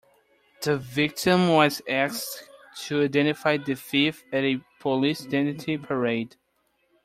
The victim was asked to identify the thief at a police identity parade